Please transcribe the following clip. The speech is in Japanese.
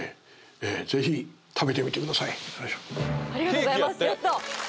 ありがとうございますやった！